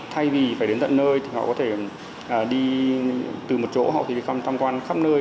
thay vì phải đến tận nơi thì họ có thể đi từ một chỗ họ có thể đi thăm quan khắp nơi